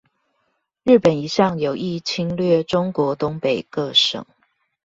日本一向有意侵略中國東北各省